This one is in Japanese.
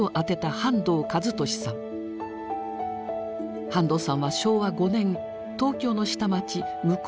半藤さんは昭和５年東京の下町向島生まれ。